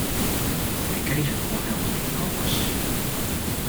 Hy kriget gewoan hielendal gjin kâns.